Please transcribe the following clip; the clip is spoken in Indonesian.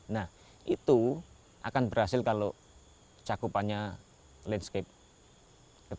nah itu akan berhasil kalau cakupannya landscape